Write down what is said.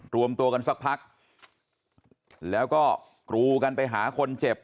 รวมตัวกันสักพักแล้วก็กรูกันไปหาคนเจ็บ